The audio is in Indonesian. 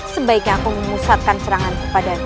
sebaiknya aku mengusatkan serangan padamu